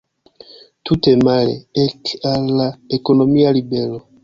Tute male, ek al la ekonomia libero.